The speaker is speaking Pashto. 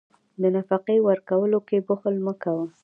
د نفقې ورکولو کې بخل مه کوه.